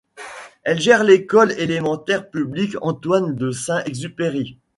Elle gère l'école élémentaire publique Antoine-de-Saint-Exupéry.